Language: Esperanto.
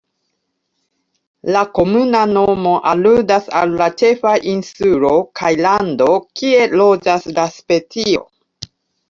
La komuna nomo aludas al la ĉefa insulo kaj lando kie loĝas la specio.